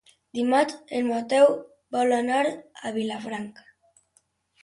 Dimarts en Mateu vol anar a Vilafranca.